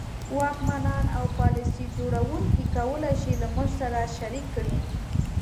واکمنان او پالیسي جوړوونکي کولای شي له موږ سره شریک کړي.